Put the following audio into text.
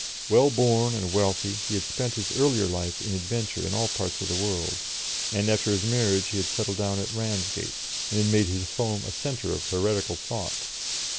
Well born and wealthy, he had spent his earlier life in adventure in all parts of the world, and after his marriage he had settled down at Ramsgate, and had made his home a centre of heretical thought.